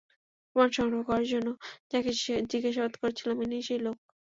প্রমাণ সংগ্রহ করার জন্য যাকে জিজ্ঞাসাবাদ করেছিলাম ইনিই সেই লোক!